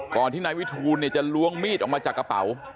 ก่อนที่นายวิทูลเนี่ยจะลวงมีดออกมาจากกระเป๋า